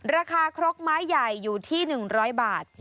ราคาครกไม้ใหญ่อยู่ที่๑๐๐บาท